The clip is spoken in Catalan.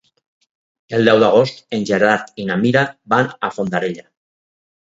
El deu d'agost en Gerard i na Mira van a Fondarella.